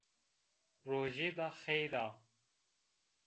Rojêda xeyr a